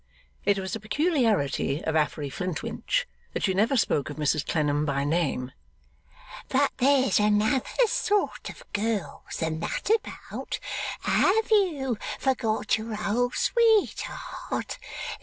It was a peculiarity of Affery Flintwinch that she never spoke of Mrs Clennam by name. 'But there's another sort of girls than that about. Have you forgot your old sweetheart?